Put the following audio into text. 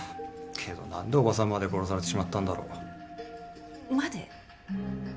けどなんで伯母さんまで殺されてしまったんだろう。まで？